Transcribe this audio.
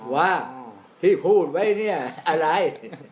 ว่าที่พูดไว้เนี่ยอะไร